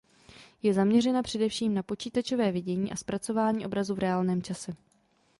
Je zaměřena především na počítačové vidění a zpracování obrazu v reálném čase.